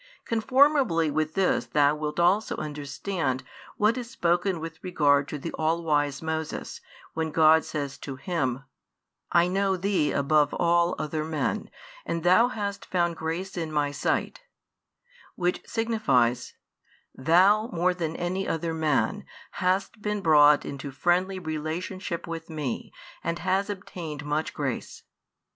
Conformably with this thou wilt also understand what is spoken with regard to the all wise Moses, when God says to him: I know thee above all [other men], and thou hast found grace in My sight; which signifies: "Thou, more than any other man, hast been brought into friendly relationship with Me, and hast obtained much grace."